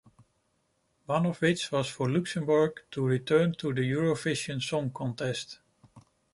One of which was for Luxembourg to return to the Eurovision Song Contest.